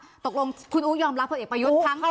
หรือว่าตกลงคุณอู๋ยอมรับผลเอกประยุทธ์ทั้งตอนนี้